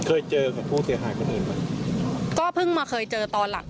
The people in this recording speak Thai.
เคยเจอกับผู้เสียหายคนอื่นไหมก็เพิ่งมาเคยเจอตอนหลัก